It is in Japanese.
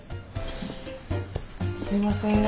すいません。